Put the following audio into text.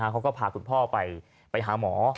เขาก็พาคุณพ่อไปหาหมอ